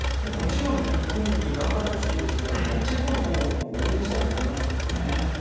もちろん日本に頑張ってほしいんですがチェコのほうも応援したくなりますよね。